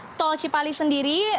di tol cipali sendiri